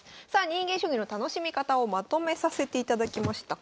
「人間将棋の楽しみ方」をまとめさせていただきました。